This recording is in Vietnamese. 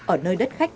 ở nơi đất khách